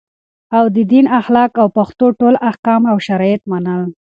او د دین اخلاق او پښتو ټول احکام او شرایط منل